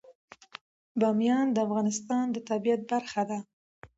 بامیان د افغانستان د طبیعت برخه ده.